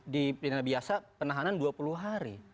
di pidana biasa penahanan dua puluh hari